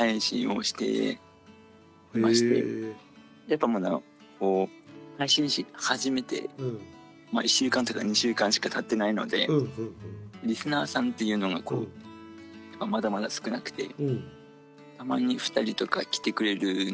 やっぱまだこう配信し始めて１週間とか２週間しかたってないのでリスナーさんっていうのがこうまだまだ少なくてたまに２人とか来てくれるんですけどもなんか雑談というか。